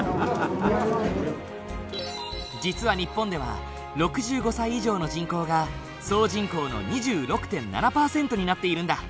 実は日本では６５歳以上の人口が総人口の２６．７％になっているんだ。